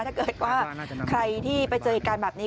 ถ้าเกิดว่าใครที่ไปเจอเหตุการณ์แบบนี้